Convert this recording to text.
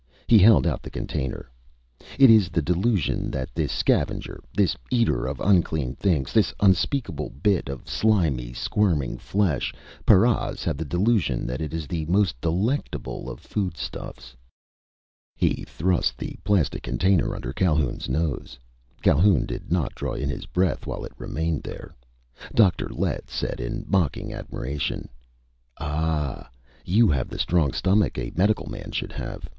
He held out the container. "It is the delusion that this scavenger, this eater of unclean things, this unspeakable bit of slimy, squirming flesh paras have the delusion that it is the most delectable of foodstuffs!" He thrust the plastic container under Calhoun's nose. Calhoun did not draw in his breath while it remained there. Dr. Lett said in mocking admiration: "Ah! You have the strong stomach a medical man should have!